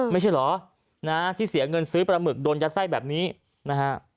ไม่ใช่เหรอนะที่เสียเงินซื้อปลาหมึกโดนยัดไส้แบบนี้นะฮะ